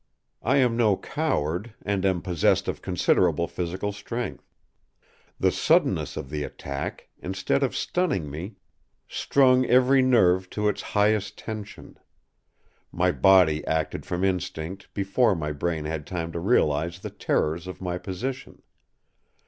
I am no coward, and am possessed of considerable physical strength. The suddenness of the attack, instead of stunning me, strung every nerve to its highest tension. My body acted from instinct, before my brain had time to realize the terrors of my position.